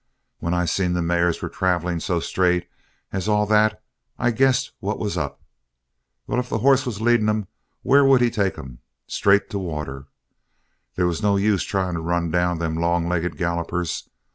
When I seen the mares were traveling so straight as all that I guessed what was up. Well, if the hoss was leading 'em, where would he take 'em? Straight to water. They was no use trying to run down them long legged gallopers.